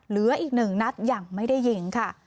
เหลืออีกหนึ่งนัดยังไม่ได้ยิงค่ะ